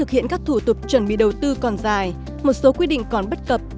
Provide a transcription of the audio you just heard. hiện các thủ tục chuẩn bị đầu tư còn dài một số quy định còn bất cập